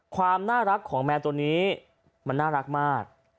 ความน่ารักของแมวตัวนี้มันน่ารักมาก